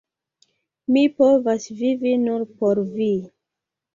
Mi povas vivi nur por vi!